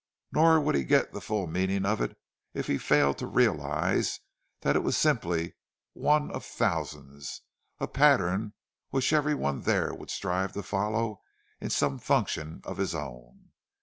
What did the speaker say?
Nor would he get the full meaning of it if he failed to realize that it was simply one of thousands—a pattern which every one there would strive to follow in some function of his own.